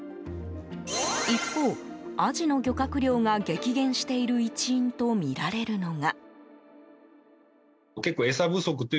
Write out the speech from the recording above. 一方、アジの漁獲量が激減している一因とみられるのが。